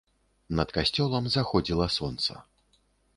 Над касцёлам заходзіла сонца.